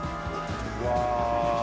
うわ。